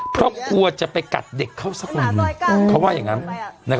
เพราะกลัวจะไปกัดเด็กเข้าสักวันหนึ่งเขาว่าอย่างนั้น